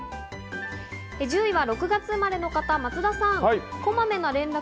１０位は６月生まれの方、松田さん。